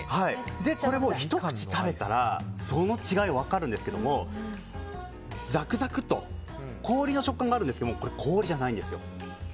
ひと口食べたらその違い分かるんですけどもザクザクと氷の食感があるんですけどこれ、氷じゃないんです